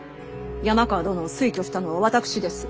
山川殿を推挙したのは私です。